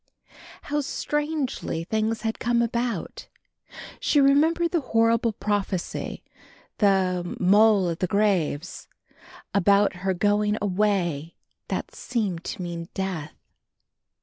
How strangely things had come about. She remembered the horrible prophecy of "Moll o' the graves" about her going away that seemed to mean death.